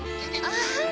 ああ。